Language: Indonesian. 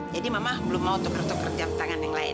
jadi mama belum mau tukar tukar jam tangan yang lain